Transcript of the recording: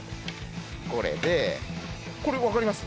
これでこれ分かります？